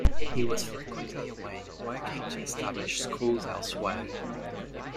He was frequently away, working to establish schools elsewhere.